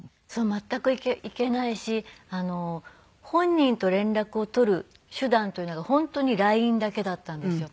全く行けないし本人と連絡を取る手段というのが本当にＬＩＮＥだけだったんですよ。